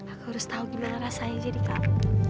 aku harus tahu gimana rasanya jadi kak